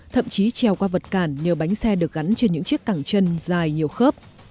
thậm chí trèo qua vật cản nhờ bánh xe được gắn trên những chiếc cẳng chân dài nhiều khớp